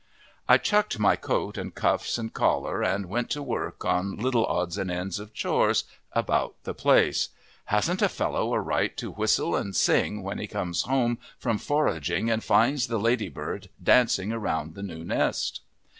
I chucked my coat and cuffs and collar and went to work on little odds and ends of chores about the place. Hasn't a fellow a right to whistle and sing when he comes home from foraging and finds the lady bird dancing around the new nest?